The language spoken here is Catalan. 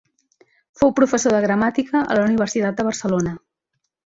Fou professor de gramàtica a la Universitat de Barcelona.